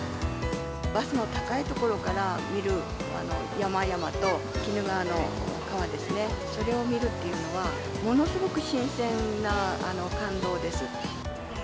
バスの高い所から見る山々と、鬼怒川の川ですね、それを見るっていうのは、ものすごく新鮮な感